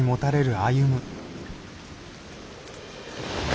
歩！？